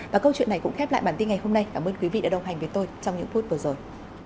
và câu chuyện này cũng khép lại bản tin ngày hôm nay cảm ơn quý vị đã đồng hành với tôi trong những phút vừa rồi